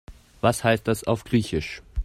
Was heißt das auf Griechisch?